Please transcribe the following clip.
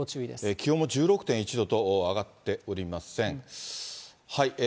気温も１６．１度と上がっておりません。